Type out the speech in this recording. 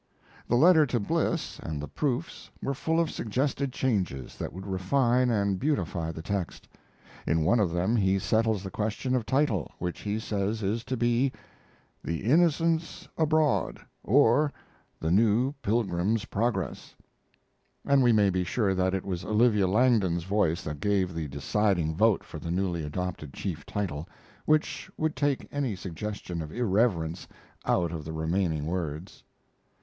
The letter to Bliss and the proofs were full of suggested changes that would refine and beautify the text. In one of them he settles the question of title, which he says is to be: THE INNOCENTS ABROAD or THE NEW PILGRIM'S PROGRESS and we may be sure that it was Olivia Langdon's voice that gave the deciding vote for the newly adopted chief title, which would take any suggestion of irreverence out of the remaining words.